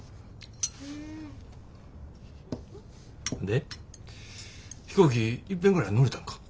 で飛行機いっぺんぐらい乗れたんか？